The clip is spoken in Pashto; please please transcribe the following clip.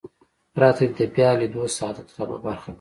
راته دې د بیا لیدو سعادت را په برخه کړي.